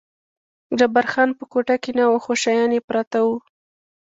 جبار خان په کوټه کې نه و، خو شیان یې پراته و.